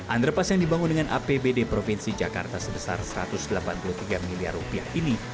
underpass yang dibangun dengan apbd provinsi jakarta sebesar satu ratus delapan puluh tiga miliar rupiah ini